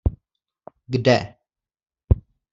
Kde?